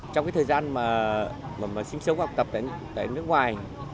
trong cái thời gian mà sinh sống học tập tại nước ngoài